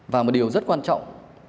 và một điều rất quan trọng